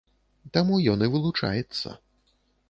Таму ён і вылучаецца.